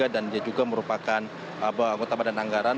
dan dia juga merupakan anggota badan anggaran